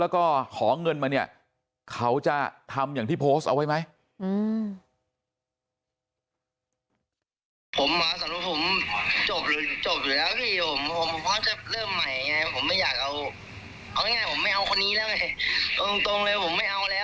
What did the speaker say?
แล้วก็ขอเงินมาเนี่ยเขาจะทำอย่างที่โพสต์เอาไว้ไหม